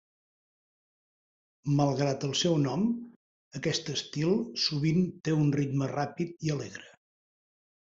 Malgrat el seu nom, aquest estil sovint té un ritme ràpid i alegre.